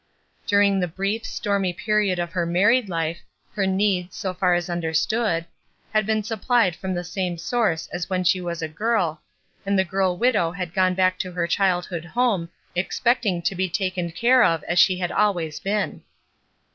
During the brief, stormy period of married Ufe her needs, so far as under stood, had been suppUed from the same source as when she was a girl, and the girl widow had THORNS 33 gone back to her childhood home expecting to be taken care of as she had always been.